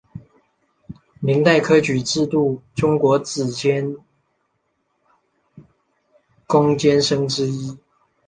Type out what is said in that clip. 明代科举制度中国子监贡监生之一。